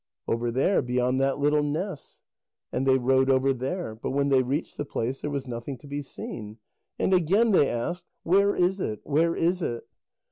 "Over there, beyond that little ness." And they rowed over there, but when they reached the place, there was nothing to be seen. And again they asked: "Where is it? Where is it?"